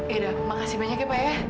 yaudah makasih banyaknya pak ya